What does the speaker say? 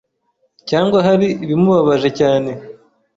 cyangwa hari ibimubabaje cyane